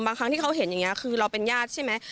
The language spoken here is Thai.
ครั้งที่เขาเห็นอย่างนี้คือเราเป็นญาติใช่ไหม